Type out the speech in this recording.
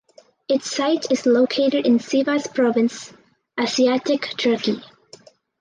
Its site is located in Sivas Province Asiatic Turkey.